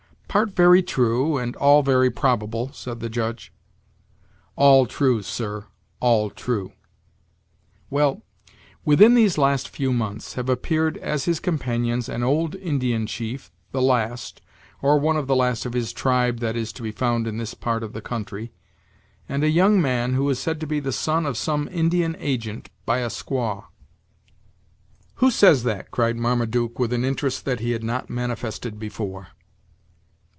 "Part very true, and all very probable," said the Judge. "All true, sir; all true. Well, within these last few months have appeared as his companions an old Indian chief, the last, or one of the last of his tribe that is to be found in this part of the country, and a young man, who is said to be the son of some Indian agent, by a squaw." "Who says that?" cried Marmaduke, with an interest; that he had not manifested before.